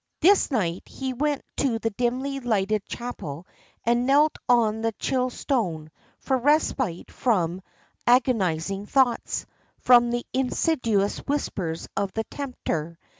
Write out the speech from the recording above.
This night he went to the dimly lighted chapel, and knelt on the chill stone, for respite from agonising thoughts, from the insidious whispers of the tempter.